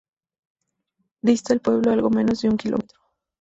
Dista del pueblo algo menos de un kilómetro.